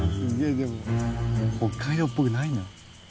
でも北海道っぽくないな。